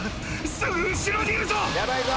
すぐ後ろにいるぞ！